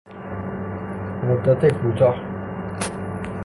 مدت کوتاه